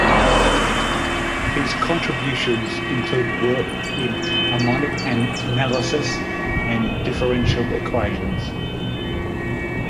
His contributions include work in harmonic analysis and differential equations.